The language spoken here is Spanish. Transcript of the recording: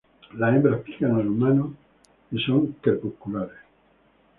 Las hembras pican al humano y son crepusculares.